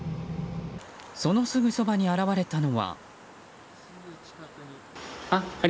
その、すぐそばに現れたのは。